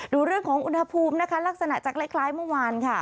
ดูเรื่องของอุณหภูมินะคะลักษณะจะคล้ายเมื่อวานค่ะ